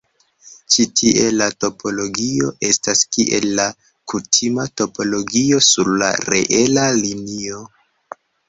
Ĉi tie, la topologio estas kiel la kutima topologio sur la reela linio.